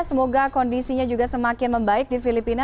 semoga kondisinya juga semakin membaik di filipina